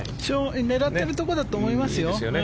狙っているところだと思いますよ。